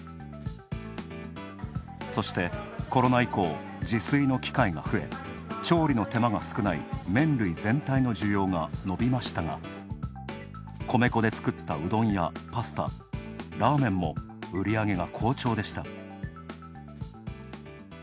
そしてコロナ以降、自炊の機会が増え、調理の手間が少ない麺類全体の需要が伸びましたが、米粉で作った、うどんやパスタ、ラーメンも売り上げが好調でした。